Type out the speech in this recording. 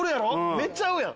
めっちゃ会うやん。